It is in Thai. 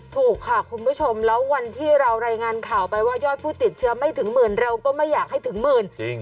ถูกค่ะคุณผู้ชมแล้ววันที่เรารายงานข่าวไปว่ายอดผู้ติดเชื้อไม่ถึงหมื่นเราก็ไม่อยากให้ถึงหมื่นจริง